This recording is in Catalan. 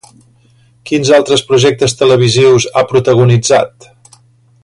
Quins altres projectes televisius ha protagonitzat?